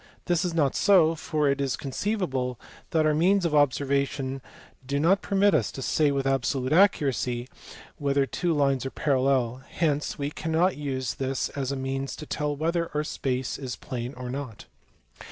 This is not so, for it is conceivable that our means of observation do riot permit us to say with absolute accuracy whether two lines are parallel ; hence we cannot use this as a means to tell whether our space is plane or not.